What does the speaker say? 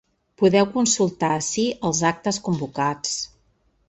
Podeu consultar ací els actes convocats.